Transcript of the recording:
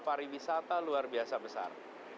pariwisata luar biasa besar